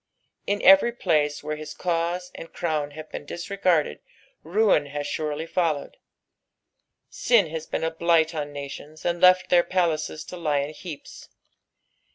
In every place where lii^ cause and crown have been disregarded ruin has surely followed : sin has been a blight on nations, and left their palaces to lie in heaps.